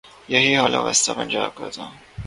یہی حال وسطی پنجاب کا تھا۔